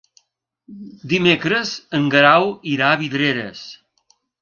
Dimecres en Guerau irà a Vidreres.